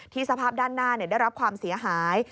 สภาพด้านหน้าได้รับความเสียหาย